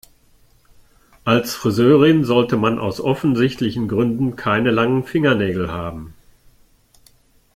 Als Friseurin sollte man aus offensichtlichen Gründen keine langen Fingernägel haben.